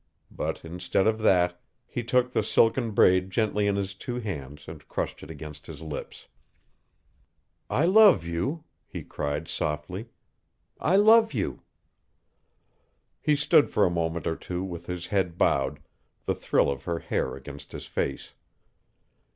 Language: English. But instead of that he took the silken braid gently in his two hands and crushed it against his lips. "I love you," he cried softly. "I love you." He stood for a moment or two with his head bowed, the thrill of her hair against his face.